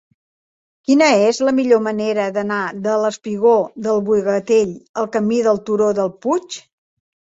Quina és la millor manera d'anar del espigó del Bogatell al camí del Turó del Puig?